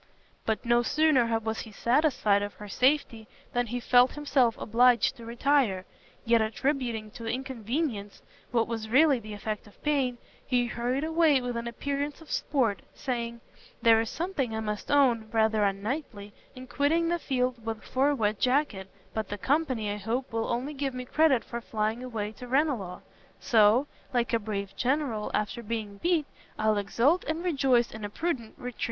But no sooner was he satisfied of her safety, than he felt himself obliged to retire; yet attributing to inconvenience what was really the effect of pain, he hurried away with an appearance of sport, saying, "There is something I must own, rather unknightly in quitting the field for a wet jacket, but the company, I hope, will only give me credit for flying away to Ranelagh. So "Like a brave general after being beat, I'll exult and rejoice in a prudent retreat."